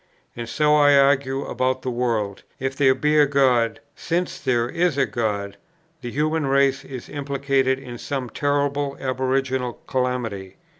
And so I argue about the world; if there be a God, since there is a God, the human race is implicated in some terrible aboriginal calamity.